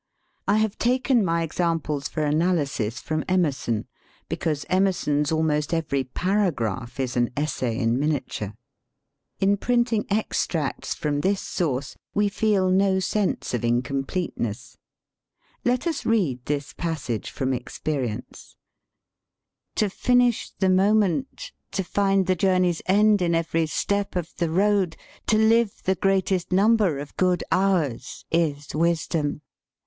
I have taken my examples for analysis from Emerson, because Emerson's almost every paragraph is an essay in miniature. In print ing extracts from this source we feel no sense 7 93 THE SPEAKING VOICE of incompleteness. Let us read this passage from "Experience": " To finish the moment, to find the journey's end in every step of the road, to live the greatest num ber of good hours, is wisdom.